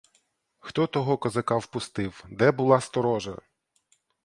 Хто того козака впустив, де була сторожа?